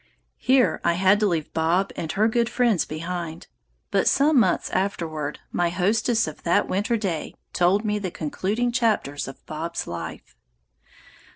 Here I had to leave Bob and her good friends behind; but some months afterward my hostess of that winter day told me the concluding chapters of Bob's life.